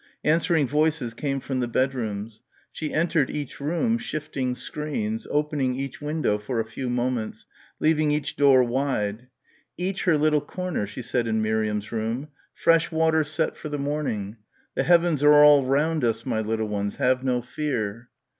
Answering voices came from the bedrooms. She entered each room, shifting screens, opening each window for a few moments, leaving each door wide. "Each her little corner," she said in Miriam's room, "fresh water set for the morning. The heavens are all round us, my little ones; have no fear."